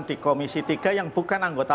di komisi tiga yang bukan anggota